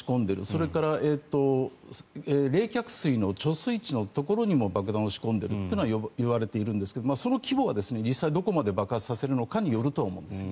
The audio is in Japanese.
それから冷却水の貯水池のところにも爆弾を仕込んでるというのは言われているんですがその規模は実際どこまで爆発させるのかにもよると。